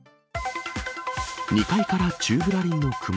２階から宙ぶらりんのクマ。